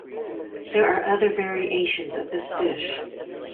There are other variations of this dish.